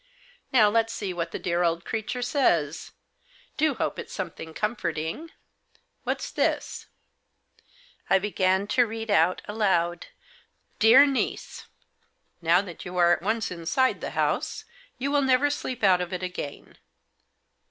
" Now let's see what the dear old creature says. Do hope it's something comforting. What's this ?" I began to read out aloud. "'Dear NIECE, — Now that you are once inside the house, you will never sleep out of it again.'